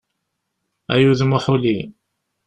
Ay udem n uḥuli!